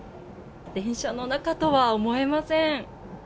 電車の中とは思えません。